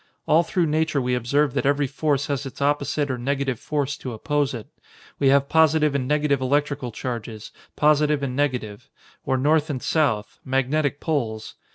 All through nature we observe that every force has its opposite or negative force to oppose it. We have positive and negative electrical charges, positive and negative, or north and south, magnetic poles.